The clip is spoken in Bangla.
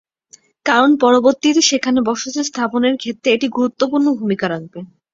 কারণ পরবর্তীতে সেখানে বসতি স্থাপনের ক্ষেত্রে এটি গুরুত্বপূর্ণ ভূমিকা রাখবে।